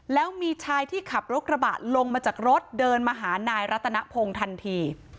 แล้วมีชายที่ขับรถกระบะลงมาจากรถเดินมาหานายรัตนพงศ์ทันที